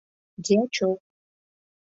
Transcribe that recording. Дьячок.